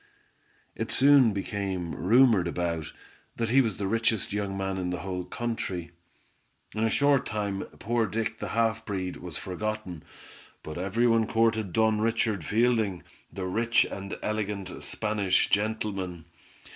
It soon became rumored about, that he was the richest young man in the whole country. In a short time, poor Dick, the half breed, was forgotten, but every one courted Don Richard Fielding, the rich and elegant Spanish gentleman.